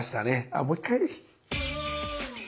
あもう一回。